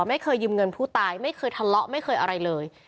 ไม่เคยยืมเงินผู้ตายไม่เคยทะเลาะไม่เคยอะไรเลย